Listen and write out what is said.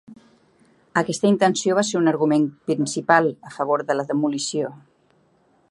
Aquesta intenció va ser un argument principal a favor de la demolició.